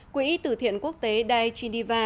quỹ tử thiện quốc tế daichiniva